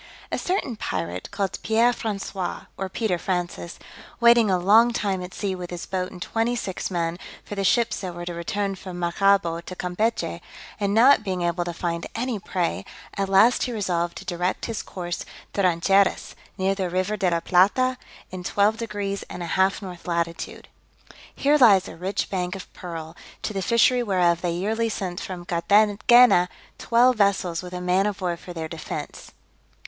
A certain pirate called Pierre François, or Peter Francis, waiting a long time at sea with his boat and twenty six men, for the ships that were to return from Maracaibo to Campechy, and not being able to find any prey, at last he resolved to direct his course to Rancheiras, near the River de la Plata, in 12 deg. and a half north latitude. Here lies a rich bank of pearl, to the fishery whereof they yearly sent from Carthagena twelve vessels with a man of war for their defence.